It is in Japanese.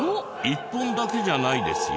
１本だけじゃないですよ。